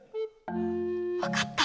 分かった。